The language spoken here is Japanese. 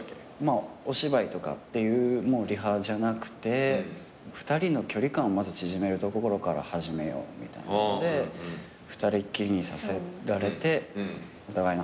お芝居とかっていうリハじゃなくて２人の距離感をまず縮めるところから始めようみたいなので２人っきりにさせられてお互いの話をし合ったりとか。